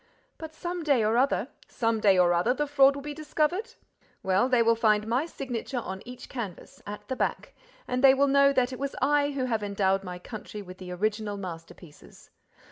"But some day or other—" "Some day or other, the fraud will be discovered? Well, they will find my signature on each canvas—at the back—and they will know that it was I who have endowed my country with the original masterpieces.